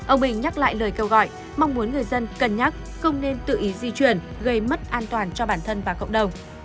ông bình nhắc lại lời kêu gọi mong muốn người dân cân nhắc không nên tự ý di chuyển gây mất an toàn cho bản thân và cộng đồng